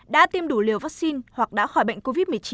đã tiêm đủ liều vaccine hoặc đã khỏi bệnh covid một mươi chín